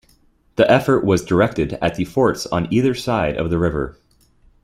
The effort was directed at the forts on either side of the river.